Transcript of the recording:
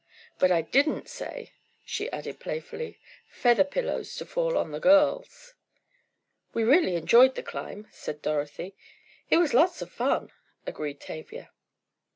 But I didn't say," she added, playfully, "feather pillows to fall on the girls!" "We really enjoyed the climb," said Dorothy. "It was lots of fun," agreed Tavia.